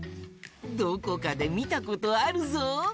どこかでみたことあるぞ。